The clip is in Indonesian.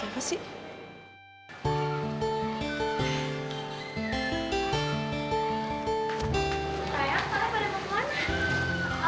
sayang pada pada kemana